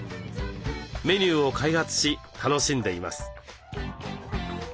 メニューを開発し楽しんでいます。